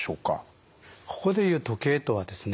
ここで言う「時計」とはですね